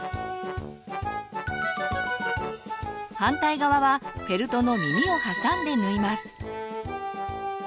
反対側はフェルトの耳を挟んで縫います。